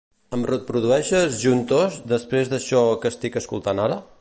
Em reprodueixes "Juntos" després d'això que estic escoltant ara?